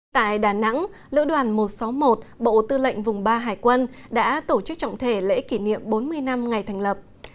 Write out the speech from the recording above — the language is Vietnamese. tại đà nẵng lữ đoàn một trăm sáu mươi một bộ tư lệnh vùng ba hải quân đã tổ chức trọng thể lễ kỷ niệm bốn mươi năm ngày thành lập